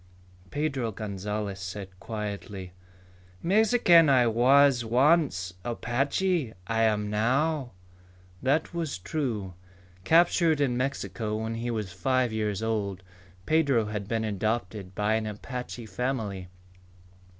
Pedro Gonzalez said quietly, "Mexican I was once. Apache I am now." That was true. Captured in Mexico when he was five years old, Pedro had been adopted by an Apache family.